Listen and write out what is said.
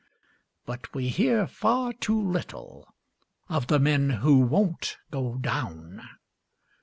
But we hear far too little Of the men who won't go down.